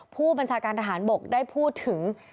ผู้บัญชาการทหารบกได้พูดถึง